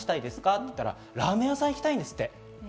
って聞いたら、ラーメン屋さんに行きたいんですって。